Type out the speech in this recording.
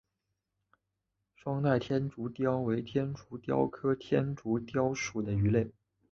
双带天竺鲷为天竺鲷科天竺鲷属的鱼类。